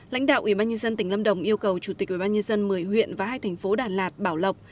lãnh đạo ubnd tỉnh lâm đồng yêu cầu chủ tịch ubnd một mươi huyện và hai thành phố đà lạt bảo lộc